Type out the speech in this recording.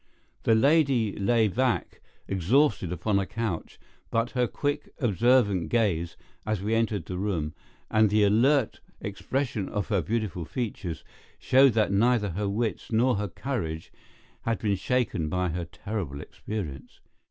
The lady lay back exhausted upon a couch, but her quick, observant gaze, as we entered the room, and the alert expression of her beautiful features, showed that neither her wits nor her courage had been shaken by her terrible experience.